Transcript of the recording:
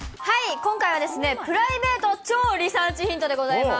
今回はですね、プライベート超リサーチヒントでございます。